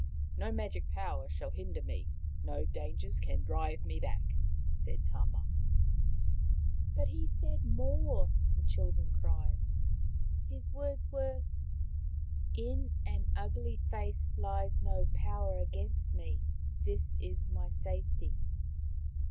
" No magic power shall hinder me. No dangers can drive me back," said Tama. " But he said more," the children cried. " His words were :' In an ugly face lies no power against me. This is my safety.'